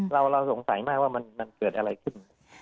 เราสงสัยมากว่ามันเกิดอะไรขึ้น